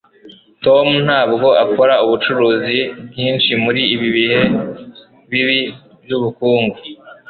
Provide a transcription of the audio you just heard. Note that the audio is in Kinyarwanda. tom ntabwo akora ubucuruzi bwinshi muri ibi bihe bibi byubukungu